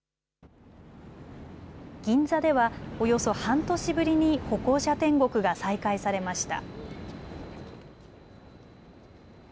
銀座ではおよそ半年ぶりに歩行者天国が再開されました。